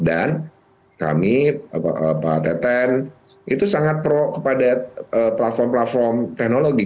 dan kami pak teten itu sangat pro kepada platform platform teknologi